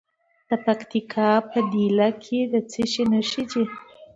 د پکتیکا په دیله کې د څه شي نښې دي؟